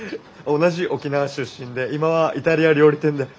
同じ沖縄出身で今はイタリア料理店で。